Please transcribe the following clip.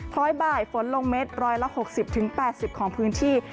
คล้อยบ่ายฝนลงเมตร๑๖๐๘๐ของพื้นที่